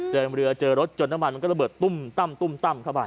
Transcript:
เรือเจอรถจนน้ำมันมันก็ระเบิดตุ้มตั้มตุ้มตั้มเข้าไป